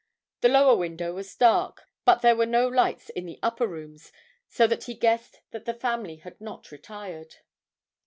The lower window was dark, but there were no lights in the upper rooms, so that he guessed that the family had not retired.